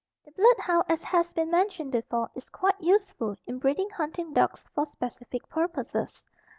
The blood hound, as has been mentioned before, is quite useful in breeding hunting dogs for specific purposes.